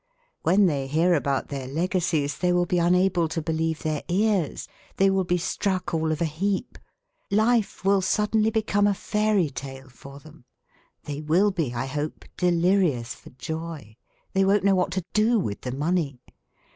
When they hear about their legacies they will be unable to believe their ears. They will be struck all of a heap. Life will suddenly become a fairy tale for them. They will be, I hope, delirious for joy. They won't know what to do with the money.